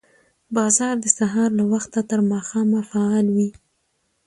بازار د سهار له وخته تر ماښامه فعال وي